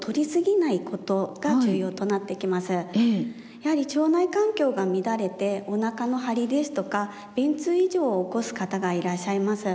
やはり腸内環境が乱れておなかの張りですとか便通異常を起こす方がいらっしゃいます。